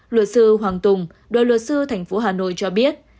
luật sư hoàng tùng đoàn luật sư thành phố hà nội cho biết